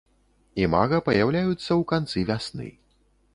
Імага паяўляюцца ў канцы вясны.